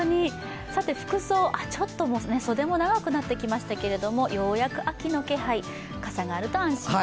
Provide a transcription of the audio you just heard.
服装、ちょっと袖も長くなってきましたけれども、ようやく秋の気配、傘があると安心です。